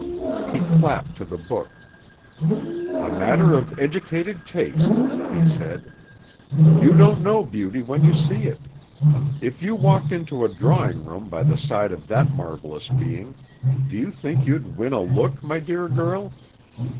He clapped to the book. "A matter of educated taste," he said. "You don't know beauty when you see it. If you walked into a drawing room by the side of that marvelous being, do you think you'd win a look, my dear girl?